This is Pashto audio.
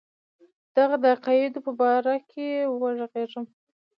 د هغه د عقایدو په باره کې وږغېږم.